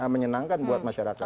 menyenangkan buat masyarakat